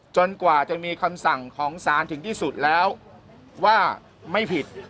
กว่าจะมีคำสั่งของสารถึงที่สุดแล้วว่าไม่ผิด